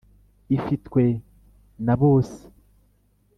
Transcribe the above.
ifitwe na bose